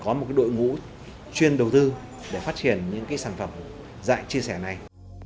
có một đội ngũ chuyên đầu tư để phát triển những sản phẩm dạy chia sẻ này